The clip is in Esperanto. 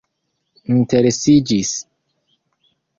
interesiĝis